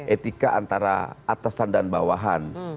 etika antara atasan dan bawahan